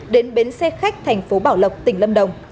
đến bến xe khách thành phố bảo lộc tỉnh lâm đồng